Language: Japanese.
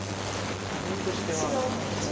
ＡＩとしては多分そこ。